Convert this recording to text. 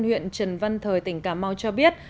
huyện trần văn thời tỉnh cà mau cho biết